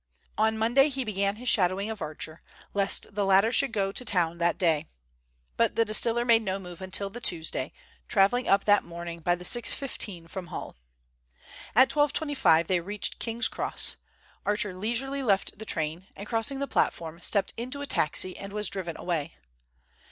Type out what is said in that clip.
On Monday he began his shadowing of Archer, lest the latter should go to town that day. But the distiller made no move until the Tuesday, travelling up that morning by the 6.15 from Hull. At 12.25 they reached King's Cross. Archer leisurely left the train, and crossing the platform, stepped into a taxi and was driven away.